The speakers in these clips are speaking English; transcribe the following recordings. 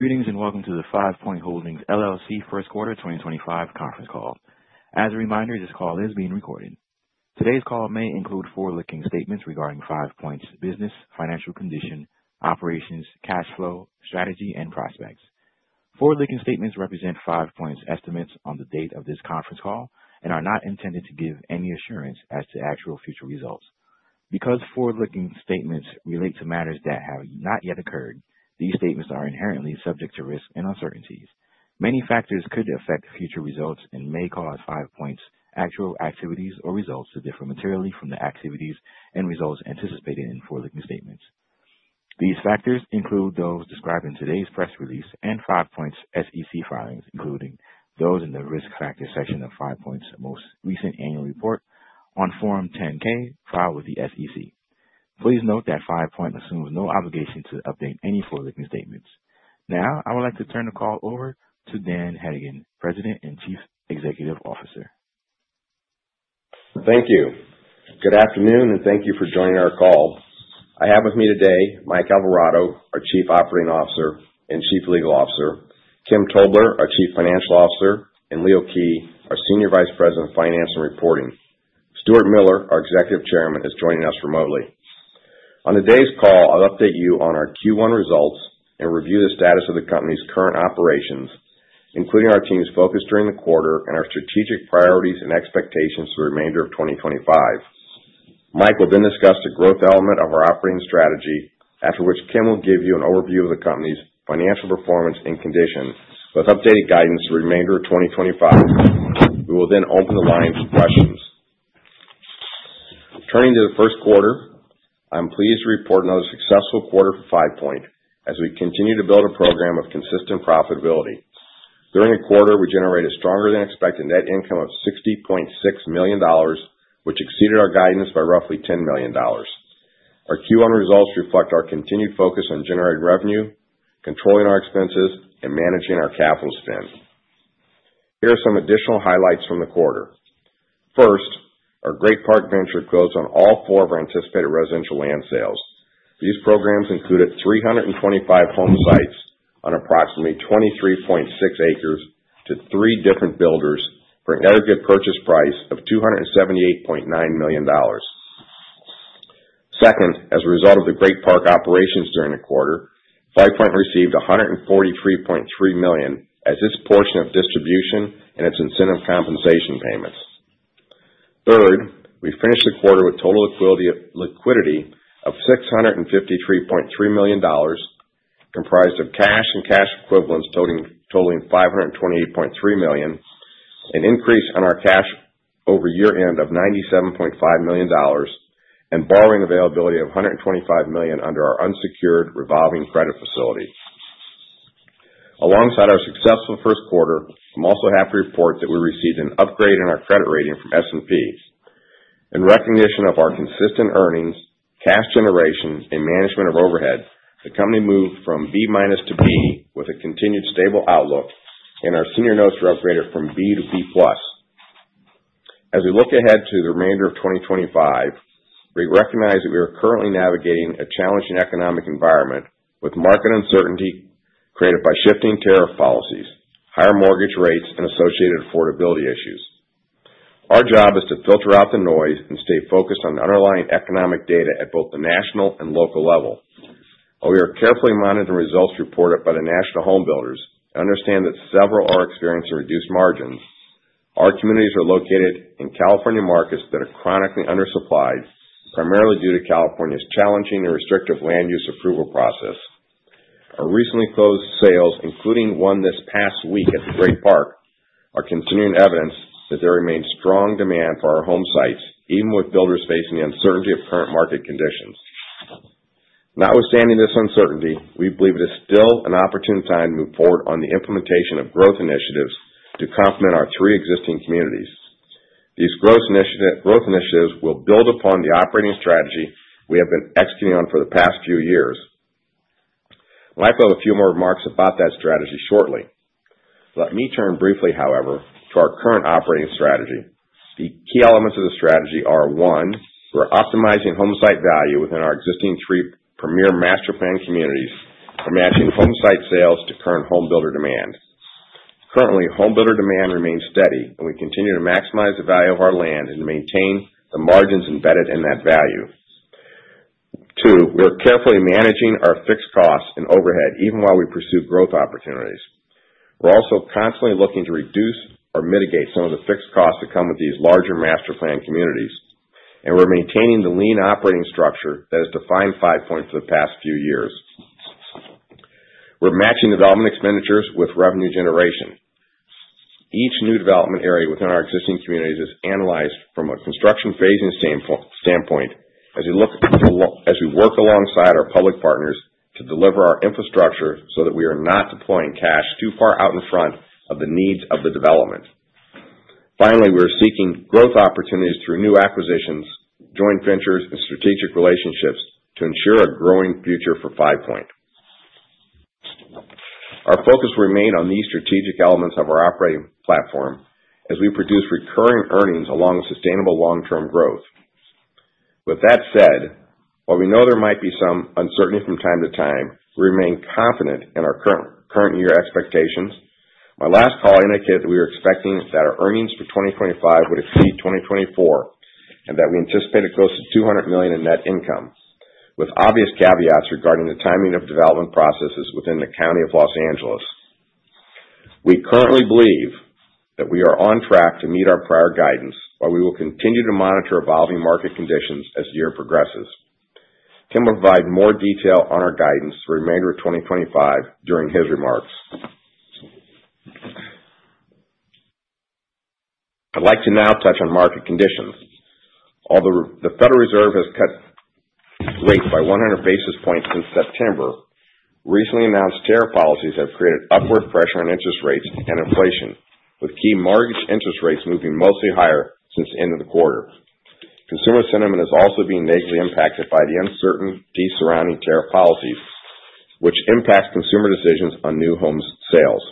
Greetings and welcome to the Five Point Holdings Q1 2025 conference call. As a reminder, this call is being recorded. Today's call may include forward-looking statements regarding Five Point's business, financial condition, operations, cash flow, strategy, and prospects. Forward-looking statements represent Five Point's estimates on the date of this conference call and are not intended to give any assurance as to actual future results. Because forward-looking statements relate to matters that have not yet occurred, these statements are inherently subject to risk and uncertainties. Many factors could affect future results and may cause Five Point's actual activities or results to differ materially from the activities and results anticipated in forward-looking statements. These factors include those described in today's press release and Five Point's SEC filings, including those in the risk factor section of Five Point's most recent annual report on Form 10-K filed with the SEC. Please note that Five Point assumes no obligation to update any forward-looking statements. Now, I would like to turn the call over to Dan Hedigan, President and Chief Executive Officer. Thank you. Good afternoon, and thank you for joining our call. I have with me today Mike Alvarado, our Chief Operating Officer and Chief Legal Officer; Kim Tobler, our Chief Financial Officer; and Leo Key, our Senior Vice President of Finance and Reporting. Stuart Miller, our Executive Chairman, is joining us remotely. On today's call, I'll update you on our Q1 results and review the status of the company's current operations, including our team's focus during the quarter and our strategic priorities and expectations for the remainder of 2025. Mike will then discuss the growth element of our operating strategy, after which Kim will give you an overview of the company's financial performance and condition with updated guidance for the remainder of 2025. We will then open the line for questions. Turning to the Q1, I'm pleased to report another successful quarter for Five Point as we continue to build a program of consistent profitability. During the quarter, we generated a stronger-than-expected net income of $60.6 million, which exceeded our guidance by roughly $10 million. Our Q1 results reflect our continued focus on generating revenue, controlling our expenses, and managing our capital spend. Here are some additional highlights from the quarter. First, our Great Park Venture closed on all four of our anticipated residential land sales. These programs included 325 home sites on approximately 23.6 acres to three different builders for an aggregate purchase price of $278.9 million. Second, as a result of the Great Park operations during the quarter, Five Point received $143.3 million as its portion of distribution and its incentive compensation payments. Third, we finished the quarter with total liquidity of $653.3 million, comprised of cash and cash equivalents totaling $528.3 million, an increase on our cash over year-end of $97.5 million, and borrowing availability of $125 million under our unsecured revolving credit facility. Alongside our successful Q1, I'm also happy to report that we received an upgrade in our credit rating from S&P. In recognition of our consistent earnings, cash generation, and management of overhead, the company moved from B- to B with a continued stable outlook, and our senior notes were upgraded from B to B-. As we look ahead to the remainder of 2025, we recognize that we are currently navigating a challenging economic environment with market uncertainty created by shifting tariff policies, higher mortgage rates, and associated affordability issues. Our job is to filter out the noise and stay focused on the underlying economic data at both the national and local level. While we are carefully monitoring the results reported by the national home builders and understand that several are experiencing reduced margins, our communities are located in California markets that are chronically undersupplied, primarily due to California's challenging and restrictive land use approval process. Our recently closed sales, including one this past week at the Great Park, are continuing evidence that there remains strong demand for our home sites, even with builders facing the uncertainty of current market conditions. Notwithstanding this uncertainty, we believe it is still an opportune time to move forward on the implementation of growth initiatives to complement our three existing communities. These growth initiatives will build upon the operating strategy we have been executing on for the past few years. Mike will have a few more remarks about that strategy shortly. Let me turn briefly, however, to our current operating strategy. The key elements of the strategy are, one, we're optimizing home site value within our existing three premier master plan communities by matching home site sales to current home builder demand. Currently, home builder demand remains steady, and we continue to maximize the value of our land and maintain the margins embedded in that value. Two, we are carefully managing our fixed costs and overhead even while we pursue growth opportunities. We're also constantly looking to reduce or mitigate some of the fixed costs that come with these larger master plan communities, and we're maintaining the lean operating structure that has defined Five Point for the past few years. We're matching development expenditures with revenue generation. Each new development area within our existing communities is analyzed from a construction phasing standpoint as we work alongside our public partners to deliver our infrastructure so that we are not deploying cash too far out in front of the needs of the development. Finally, we are seeking growth opportunities through new acquisitions, joint ventures, and strategic relationships to ensure a growing future for Five Point. Our focus will remain on these strategic elements of our operating platform as we produce recurring earnings along with sustainable long-term growth. With that said, while we know there might be some uncertainty from time to time, we remain confident in our current year expectations. My last call indicated that we were expecting that our earnings for 2025 would exceed 2024 and that we anticipated close to $200 million in net income, with obvious caveats regarding the timing of development processes within the County of Los Angeles. We currently believe that we are on track to meet our prior guidance, while we will continue to monitor evolving market conditions as the year progresses. Kim will provide more detail on our guidance for the remainder of 2025 during his remarks. I'd like to now touch on market conditions. Although the Federal Reserve has cut rates by 100 basis points since September, recently announced tariff policies have created upward pressure on interest rates and inflation, with key mortgage interest rates moving mostly higher since the end of the quarter. Consumer sentiment is also being negatively impacted by the uncertainty surrounding tariff policies, which impacts consumer decisions on new home sales.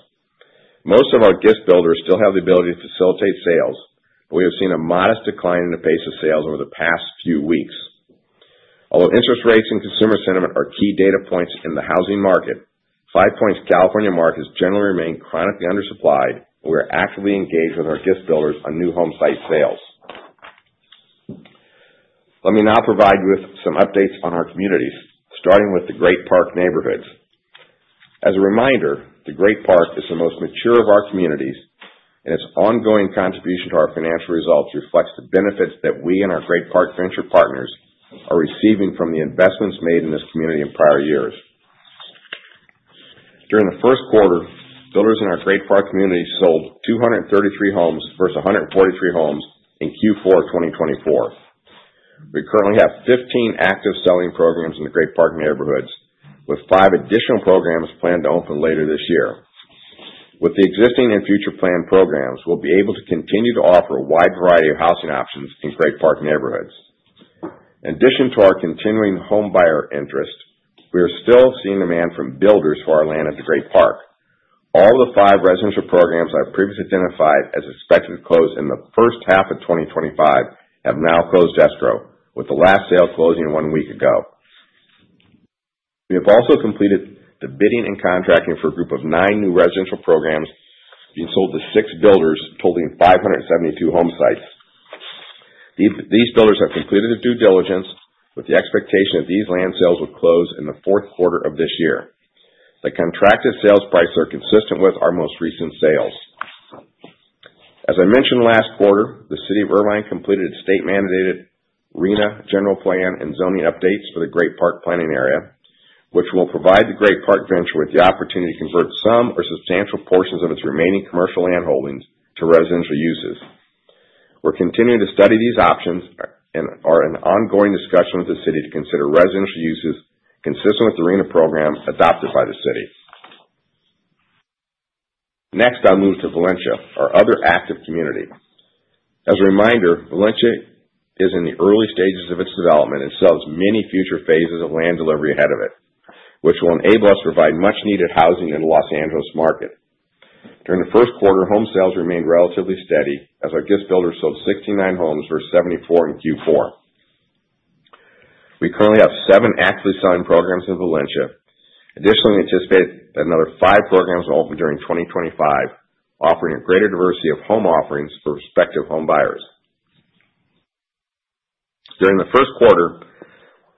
Most of our guest builders still have the ability to facilitate sales, but we have seen a modest decline in the pace of sales over the past few weeks. Although interest rates and consumer sentiment are key data points in the housing market, Five Point's California market has generally remained chronically undersupplied, and we are actively engaged with our guest builders on new home site sales. Let me now provide you with some updates on our communities, starting with the Great Park neighborhoods. As a reminder, the Great Park is the most mature of our communities, and its ongoing contribution to our financial results reflects the benefits that we and our Great Park Venture partners are receiving from the investments made in this community in prior years. During the Q1, builders in our Great Park community sold 233 homes versus 143 homes in Q4 2024. We currently have 15 active selling programs in the Great Park neighborhoods, with five additional programs planned to open later this year. With the existing and future planned programs, we'll be able to continue to offer a wide variety of housing options in Great Park neighborhoods. In addition to our continuing home buyer interest, we are still seeing demand from builders for our land at the Great Park. All of the five residential programs I've previously identified as expected to close in the first half of 2025 have now closed escrow, with the last sale closing one week ago. We have also completed the bidding and contracting for a group of nine new residential programs being sold to six builders totaling 572 home sites. These builders have completed their due diligence, with the expectation that these land sales will close in the Q4 of this year. The contracted sales prices are consistent with our most recent sales. As I mentioned last quarter, the City of Irvine completed state-mandated RHNA general plan and zoning updates for the Great Park planning area, which will provide the Great Park Venture with the opportunity to convert some or substantial portions of its remaining commercial land holdings to residential uses. We're continuing to study these options and are in ongoing discussion with the city to consider residential uses consistent with the RHNA program adopted by the city. Next, I'll move to Valencia, our other active community. As a reminder, Valencia is in the early stages of its development and still has many future phases of land delivery ahead of it, which will enable us to provide much-needed housing in the Los Angeles market. During the Q1, home sales remained relatively steady as our guest builders sold 69 homes versus 74 in Q4. We currently have seven actively selling programs in Valencia. Additionally, we anticipate that another five programs will open during 2025, offering a greater diversity of home offerings for prospective home buyers. During the Q1,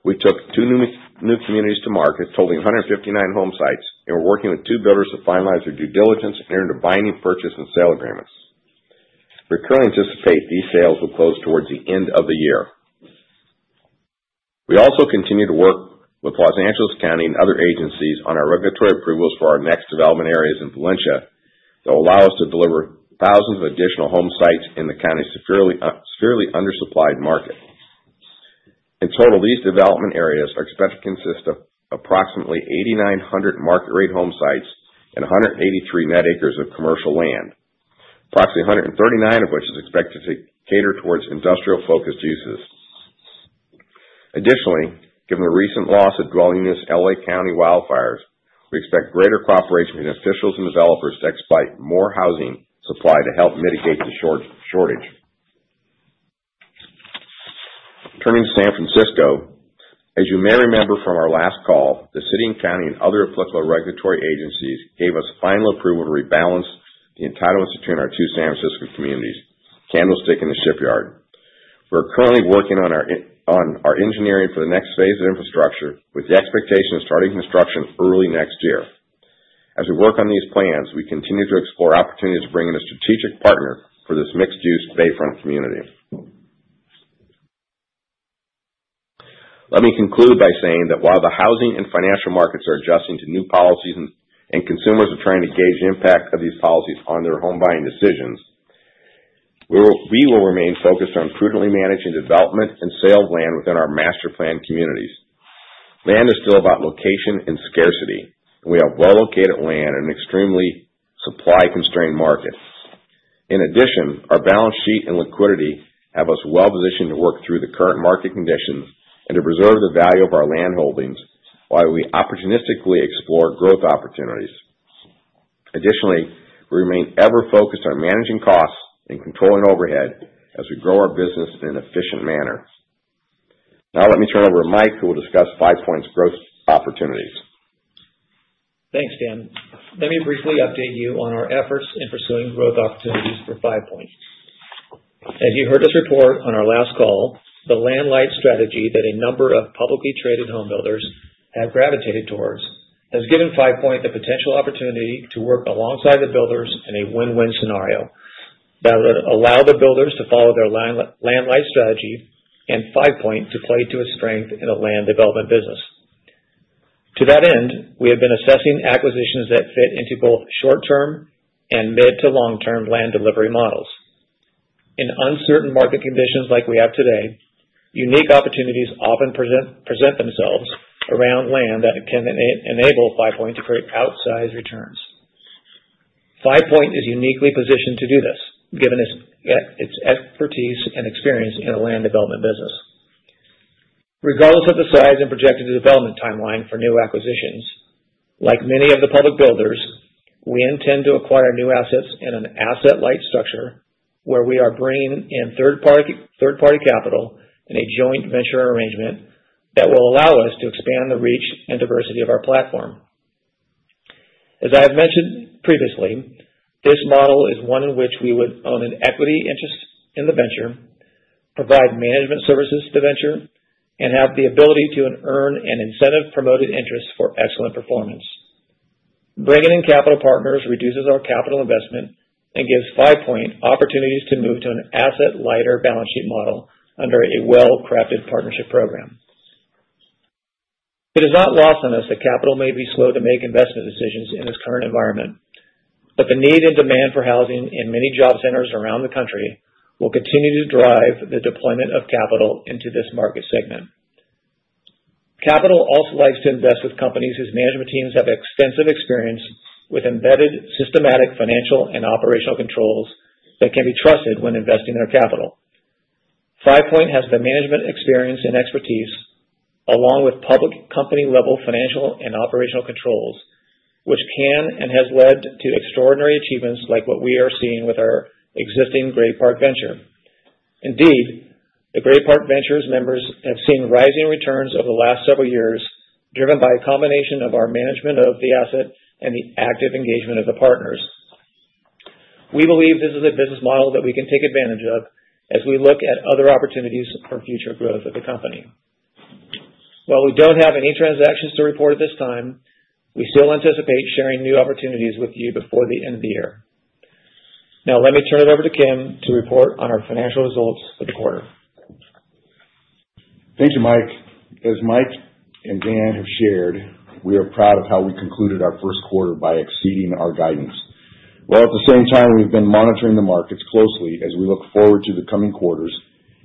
we took two new communities to market totaling 159 home sites, and we're working with two builders to finalize their due diligence and enter into binding purchase and sale agreements. We currently anticipate these sales will close towards the end of the year. We also continue to work with Los Angeles County and other agencies on our regulatory approvals for our next development areas in Valencia, that will allow us to deliver thousands of additional home sites in the county's severely undersupplied market. In total, these development areas are expected to consist of approximately 8,900 market-rate home sites and 183 net acres of commercial land, approximately 139 of which is expected to cater towards industrial-focused uses. Additionally, given the recent loss of dwelling units in Los Angeles County wildfires, we expect greater cooperation between officials and developers to expedite more housing supply to help mitigate the shortage. Turning to San Francisco, as you may remember from our last call, the City and County and other applicable regulatory agencies gave us final approval to rebalance the entitlements between our two San Francisco communities, Candlestick and the Shipyard. We're currently working on our engineering for the next phase of infrastructure, with the expectation of starting construction early next year. As we work on these plans, we continue to explore opportunities of bringing a strategic partner for this mixed-use Bayfront community. Let me conclude by saying that while the housing and financial markets are adjusting to new policies and consumers are trying to gauge the impact of these policies on their home buying decisions, we will remain focused on prudently managing development and sale of land within our master plan communities. Land is still about location and scarcity, and we have well-located land in an extremely supply-constrained market. In addition, our balance sheet and liquidity have us well-positioned to work through the current market conditions and to preserve the value of our land holdings while we opportunistically explore growth opportunities. Additionally, we remain ever-focused on managing costs and controlling overhead as we grow our business in an efficient manner. Now, let me turn over to Mike, who will discuss Five Point's growth opportunities. Thanks, Dan. Let me briefly update you on our efforts in pursuing growth opportunities for Five Point. As you heard us report on our last call, the land-light strategy that a number of publicly traded home builders have gravitated towards has given Five Point the potential opportunity to work alongside the builders in a win-win scenario that would allow the builders to follow their land-light strategy and Five Point to play to its strength in the land development business. To that end, we have been assessing acquisitions that fit into both short-term and mid- to long-term land delivery models. In uncertain market conditions like we have today, unique opportunities often present themselves around land that can enable Five Point to create outsized returns. Five Point is uniquely positioned to do this, given its expertise and experience in the land development business. Regardless of the size and projected development timeline for new acquisitions, like many of the public builders, we intend to acquire new assets in an asset-light structure where we are bringing in third-party capital in a joint venture arrangement that will allow us to expand the reach and diversity of our platform. As I have mentioned previously, this model is one in which we would own an equity interest in the venture, provide management services to the venture, and have the ability to earn an incentive-promoted interest for excellent performance. Bringing in capital partners reduces our capital investment and gives Five Point opportunities to move to an asset-lighter balance sheet model under a well-crafted partnership program. It is not lost on us that capital may be slow to make investment decisions in this current environment, but the need and demand for housing in many job centers around the country will continue to drive the deployment of capital into this market segment. Capital also likes to invest with companies whose management teams have extensive experience with embedded systematic financial and operational controls that can be trusted when investing their capital. Five Point has the management experience and expertise along with public company-level financial and operational controls, which can and has led to extraordinary achievements like what we are seeing with our existing Great Park Venture. Indeed, the Great Park Venture's members have seen rising returns over the last several years driven by a combination of our management of the asset and the active engagement of the partners. We believe this is a business model that we can take advantage of as we look at other opportunities for future growth of the company. While we do not have any transactions to report at this time, we still anticipate sharing new opportunities with you before the end of the year. Now, let me turn it over to Kim to report on our financial results for the quarter. Thank you, Mike. As Mike and Dan have shared, we are proud of how we concluded our Q1 by exceeding our guidance. While at the same time, we've been monitoring the markets closely as we look forward to the coming quarters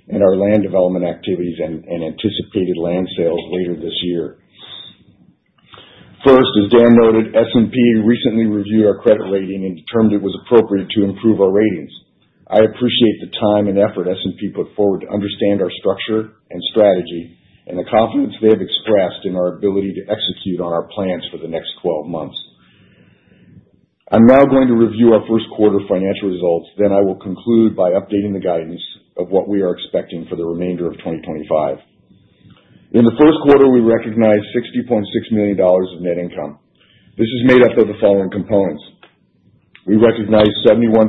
and our land development activities and anticipated land sales later this year. First, as Dan noted, S&P recently reviewed our credit rating and determined it was appropriate to improve our ratings. I appreciate the time and effort S&P put forward to understand our structure and strategy and the confidence they have expressed in our ability to execute on our plans for the next 12 months. I'm now going to review our Q1 financial results, then I will conclude by updating the guidance of what we are expecting for the remainder of 2025. In the Q1, we recognized $60.6 million of net income. This is made up of the following components. We recognized $71.4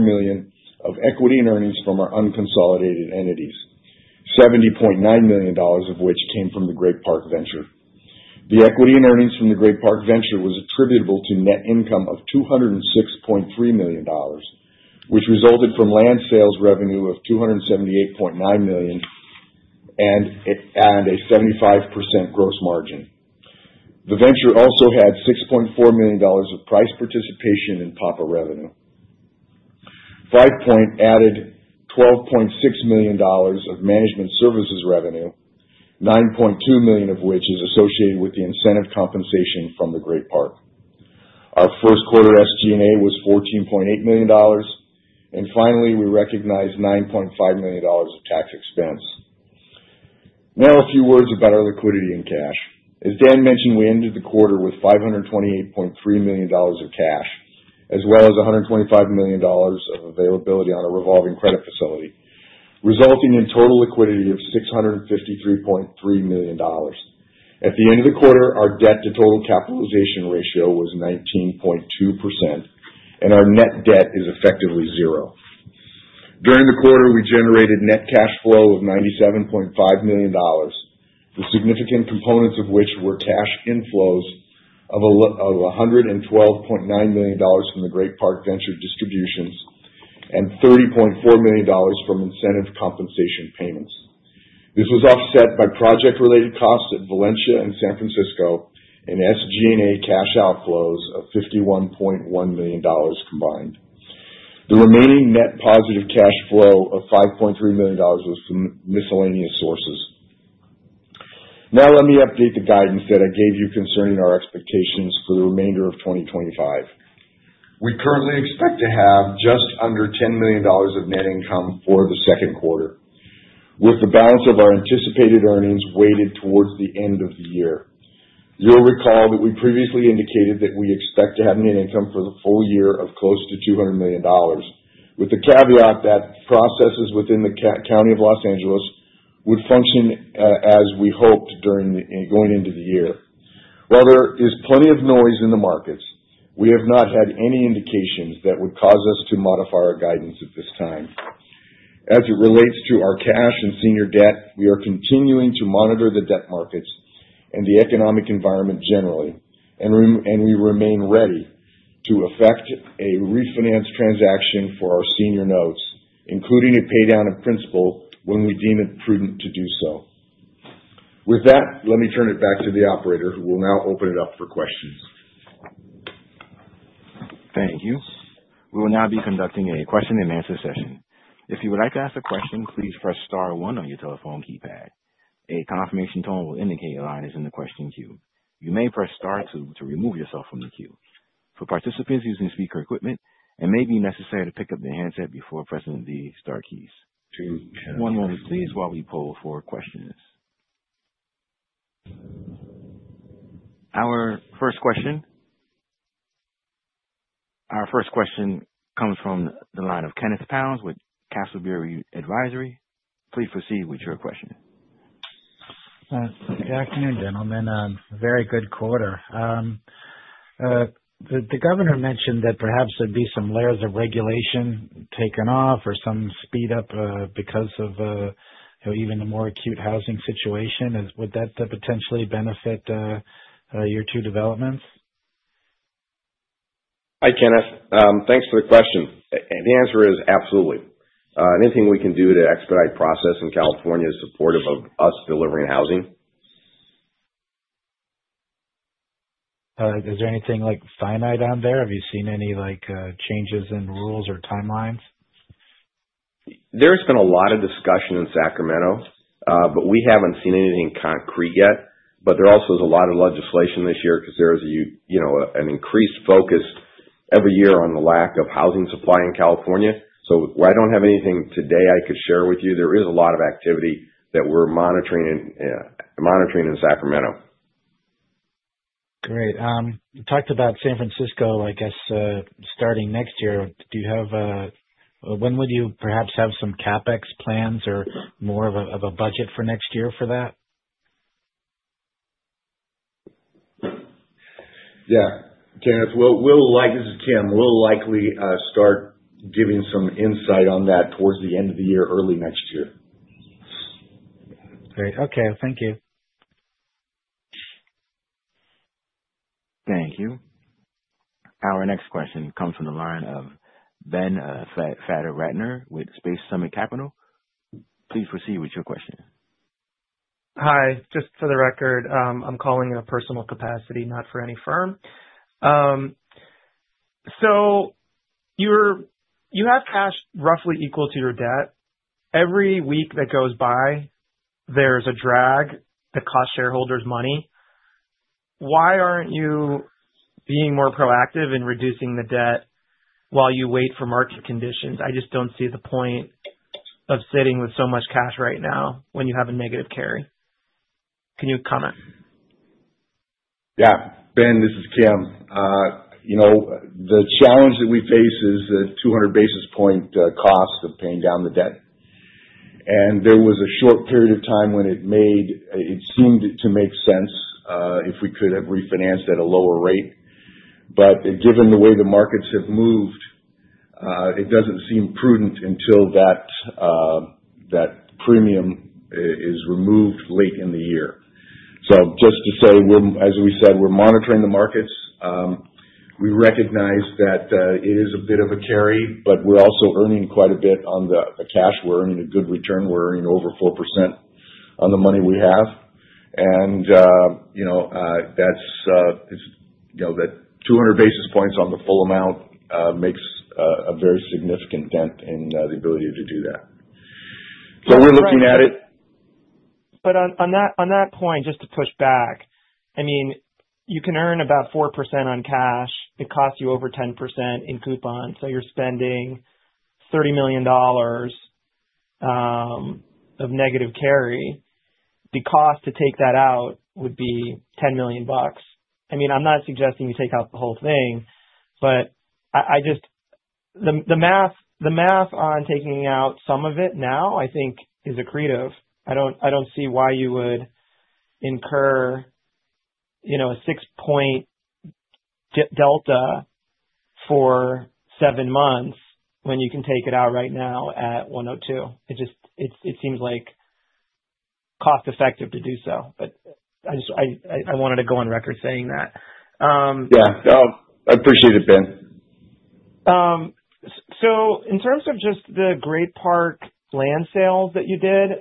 million of equity in earnings from our unconsolidated entities, $70.9 million of which came from the Great Park Venture. The equity in earnings from the Great Park Venture were attributable to net income of $206.3 million, which resulted from land sales revenue of $278.9 million and a 75% gross margin. The venture also had $6.4 million of price participation in PPA revenue. Five Point added $12.6 million of management services revenue, $9.2 million of which is associated with the incentive compensation from the Great Park. Our Q1 SG&A was $14.8 million, and finally, we recognized $9.5 million of tax expense. Now, a few words about our liquidity and cash. As Dan mentioned, we ended the quarter with $528.3 million of cash, as well as $125 million of availability on a revolving credit facility, resulting in total liquidity of $653.3 million. At the end of the quarter, our debt-to-total capitalization ratio was 19.2%, and our net debt is effectively zero. During the quarter, we generated net cash flow of $97.5 million, the significant components of which were cash inflows of $112.9 million from the Great Park Venture distributions and $30.4 million from incentive compensation payments. This was offset by project-related costs at Valencia and San Francisco and SG&A cash outflows of $51.1 million combined. The remaining net positive cash flow of $5.3 million was from miscellaneous sources. Now, let me update the guidance that I gave you concerning our expectations for the remainder of 2025. We currently expect to have just under $10 million of net income for the Q2, with the balance of our anticipated earnings weighted towards the end of the year. You'll recall that we previously indicated that we expect to have net income for the full year of close to $200 million, with the caveat that processes within the County of Los Angeles would function as we hoped during going into the year. While there is plenty of noise in the markets, we have not had any indications that would cause us to modify our guidance at this time. As it relates to our cash and senior debt, we are continuing to monitor the debt markets and the economic environment generally, and we remain ready to effect a refinance transaction for our senior notes, including a paydown of principal when we deem it prudent to do so. With that, let me turn it back to the operator, who will now open it up for questions. Thank you. We will now be conducting a question-and-answer session. If you would like to ask a question, please press Star one on your telephone keypad. A confirmation tone will indicate your line is in the question queue. You may press Star two to remove yourself from the queue. For participants using speaker equipment, it may be necessary to pick up the handset before pressing the Star keys. One moment, please, while we pull for questions. Our first question comes from the line of Kenneth Pounds with Castleberry Advisory. Please proceed with your question. Good afternoon, gentlemen. Very good quarter. The governor mentioned that perhaps there would be some layers of regulation taken off or some speed up because of even the more acute housing situation. Would that potentially benefit your two developments? Hi, Kenneth. Thanks for the question. The answer is absolutely. Anything we can do to expedite process in California is supportive of us delivering housing. Is there anything finite on there? Have you seen any changes in rules or timelines? There has been a lot of discussion in Sacramento, but we have not seen anything concrete yet. There also is a lot of legislation this year because there is an increased focus every year on the lack of housing supply in California. I do not have anything today I could share with you. There is a lot of activity that we are monitoring in Sacramento. Great. You talked about San Francisco, I guess, starting next year. Do you have—when would you perhaps have some CapEx plans or more of a budget for next year for that? Yeah. Kenneth, this is Kim. We will likely start giving some insight on that towards the end of the year, early next year. Great. Okay. Thank you. Thank you. Our next question comes from the line of Ben Fader-Rattner with Space Summit Capital. Please proceed with your question. Hi. Just for the record, I'm calling in a personal capacity, not for any firm. You have cash roughly equal to your debt. Every week that goes by, there's a drag that costs shareholders money. Why aren't you being more proactive in reducing the debt while you wait for market conditions? I just don't see the point of sitting with so much cash right now when you have a negative carry. Can you comment? Yeah. Ben, this is Kim. The challenge that we face is the 200 basis point cost of paying down the debt. There was a short period of time when it seemed to make sense if we could have refinanced at a lower rate. Given the way the markets have moved, it does not seem prudent until that premium is removed late in the year. Just to say, as we said, we are monitoring the markets. We recognize that it is a bit of a carry, but we are also earning quite a bit on the cash. We are earning a good return. We are earning over 4% on the money we have. That 200 basis points on the full amount makes a very significant dent in the ability to do that. We are looking at it. On that point, just to push back, I mean, you can earn about 4% on cash. It costs you over 10% in coupons. You are spending $30 million of negative carry. The cost to take that out would be $10 million. I mean, I'm not suggesting you take out the whole thing, but the math on taking out some of it now, I think, is accretive. I don't see why you would incur a 6-point delta for seven months when you can take it out right now at 102. It seems like cost-effective to do so, but I wanted to go on record saying that. Yeah. I appreciate it, Ben. In terms of just the Great Park land sales that you did,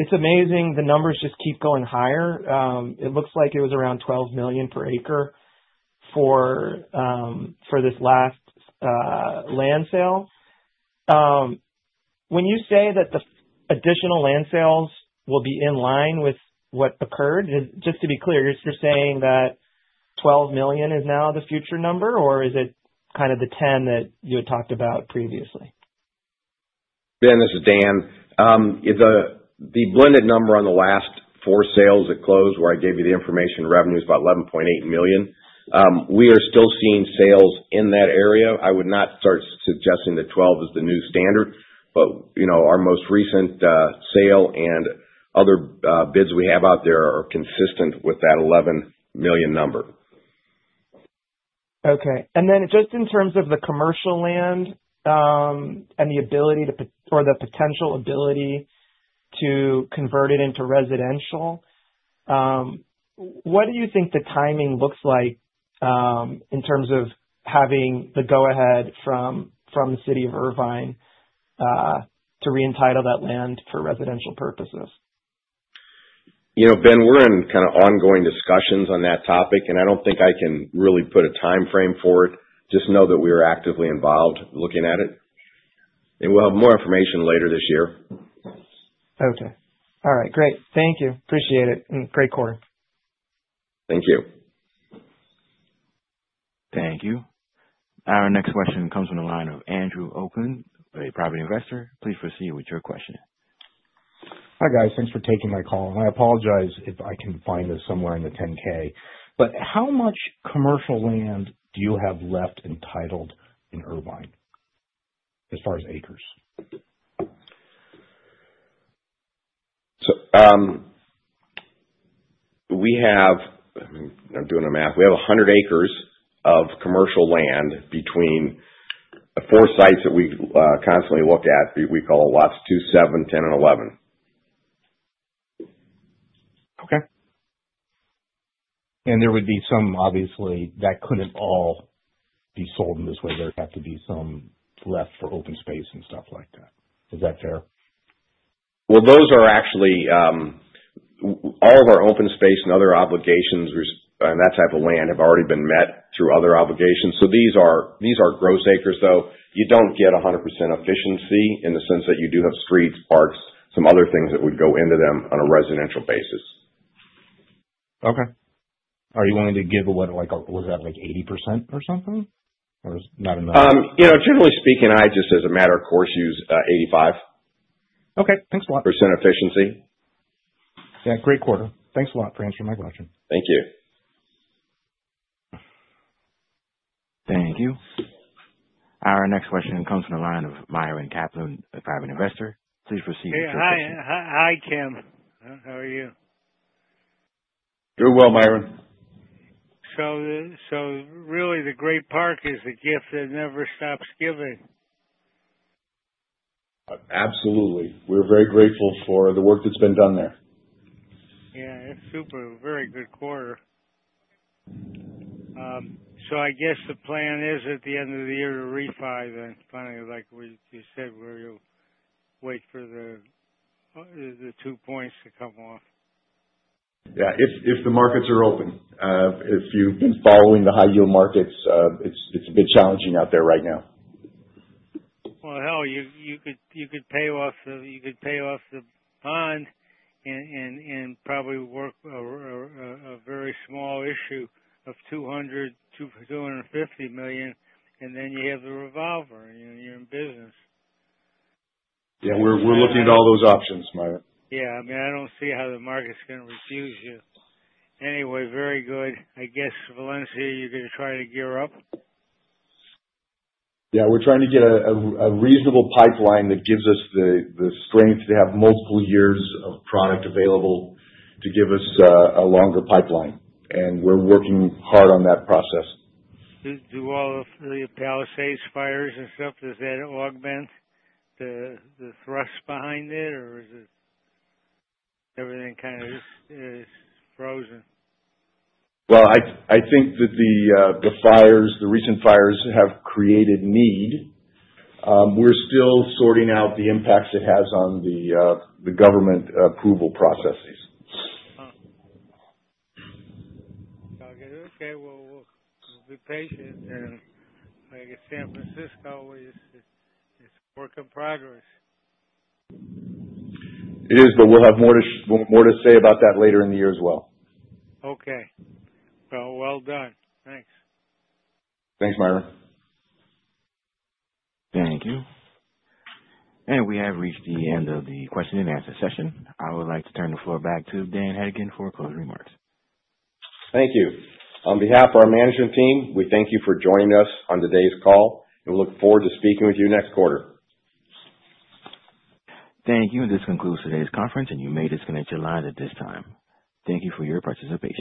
it's amazing the numbers just keep going higher. It looks like it was around $12 million per acre for this last land sale. When you say that the additional land sales will be in line with what occurred, just to be clear, you're saying that $12 million is now the future number, or is it kind of the $10 million that you had talked about previously? Ben, this is Dan. The blended number on the last four sales that closed where I gave you the information revenue is about $11.8 million. We are still seeing sales in that area. I would not start suggesting that $12 million is the new standard, but our most recent sale and other bids we have out there are consistent with that $11 million number. Okay. In terms of the commercial land and the ability to, or the potential ability to convert it into residential, what do you think the timing looks like in terms of having the go-ahead from the City of Irvine to reentitle that land for residential purposes? Ben, we're in kind of ongoing discussions on that topic, and I do not think I can really put a timeframe for it. Just know that we are actively involved looking at it. We'll have more information later this year. Okay. All right. Great. Thank you. Appreciate it. Great quarter. Thank you. Thank you. Our next question comes from the line of Andrew Oakland, a private investor. Please proceed with your question. Hi, guys. Thanks for taking my call. I apologize if I can find this somewhere in the 10-K. How much commercial land do you have left entitled in Irvine as far as acres? I'm doing a math. We have 100 acres of commercial land between four sites that we constantly look at. We call it Lots two, seven, 10, and 11. Okay. There would be some, obviously, that could not all be sold in this way. There would have to be some left for open space and stuff like that. Is that fair? Those are actually all of our open space and other obligations and that type of land have already been met through other obligations. These are gross acres, though. You do not get 100% efficiency in the sense that you do have streets, parks, some other things that would go into them on a residential basis. Okay. Are you willing to give away—was that like 80% or something? Or not enough? Generally speaking, I just, as a matter of course, use 85%. Okay. Thanks a lot. Percent efficiency. Yeah. Great quarter. Thanks a lot for answering my question. Thank you. Thank you. Our next question comes from the line of Myron Kaplan, a private investor. Please proceed with your question. Hi. Hi, Kim. How are you? Doing well, Myron. The Great Park is a gift that never stops giving. Absolutely. We're very grateful for the work that's been done there. Yeah. It's super. Very good quarter. I guess the plan is at the end of the year to refi, then finally, like you said, where you'll wait for the two points to come off. Yeah. If the markets are open. If you've been following the high-yield markets, it's a bit challenging out there right now. Hell, you could pay off the—you could pay off the bond and probably work a very small issue of $200 million-$250 million, and then you have the revolver, and you're in business. Yeah. We're looking at all those options, Myron. Yeah. I mean, I don't see how the market's going to refuse you. Anyway, very good. I guess Valencia, you're going to try to gear up? Yeah. We're trying to get a reasonable pipeline that gives us the strength to have multiple years of product available to give us a longer pipeline. We're working hard on that process. Do all the Palisades fires and stuff, does that augment the thrust behind it, or is everything kind of just frozen? I think that the fires, the recent fires, have created need. We're still sorting out the impacts it has on the government approval processes. Okay. We'll be patient. Like I said, San Francisco is a work in progress. It is, but we'll have more to say about that later in the year as well. Okay. Well done. Thanks. Thanks, Myron. Thank you. We have reached the end of the question-and-answer session. I would like to turn the floor back to Dan Hedigan for closing remarks. Thank you. On behalf of our management team, we thank you for joining us on today's call, and we look forward to speaking with you next quarter. Thank you. This concludes today's conference, and you may disconnect your lines at this time. Thank you for your participation.